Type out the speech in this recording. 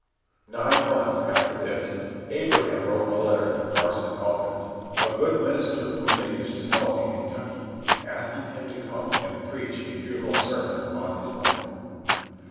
Nine months after this, Abraham wrote a letter to Parson Elkins, a good minister whom they used to know in Kentucky, asking him to come and preach a funeral sermon on his mother.